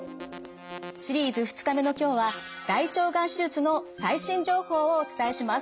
シリーズ２日目の今日は大腸がん手術の最新情報をお伝えします。